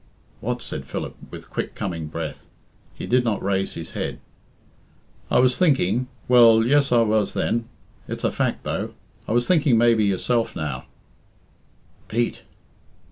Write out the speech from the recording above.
"What?" said Philip with quick coming breath. He did not raise his head. "I was thinking well, yes, I was, then it's a fact, though I was thinking maybe yourself, now " "Pete!"